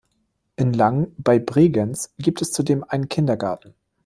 In Langen bei Bregenz gibt es zudem einen Kindergarten.